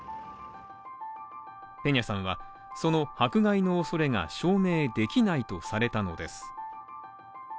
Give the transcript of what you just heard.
ペニャさんはその迫害の恐れが証明できないとされたのです。